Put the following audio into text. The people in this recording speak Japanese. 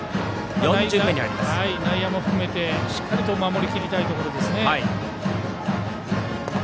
内野も含めて、しっかりと守りきりたいところです。